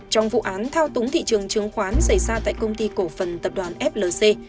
trong vụ án thao túng thị trường chứng khoán xảy ra tại công ty cổ phần tập đoàn flc